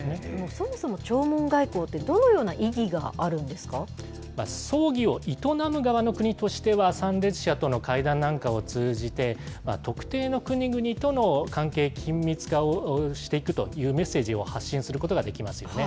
そもそも弔問外交って、どの葬儀を営む側の国としては、参列者との会談なんかを通じて、特定の国々との関係緊密化をしていくというメッセージを発信することができますよね。